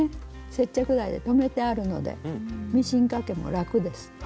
接着剤で留めてあるのでミシンかけも楽です。